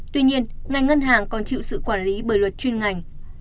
tuy nhiên ngành ngân hàng còn chịu sự quản lý bởi luật chuyên ngành